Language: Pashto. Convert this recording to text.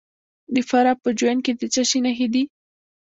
د فراه په جوین کې د څه شي نښې دي؟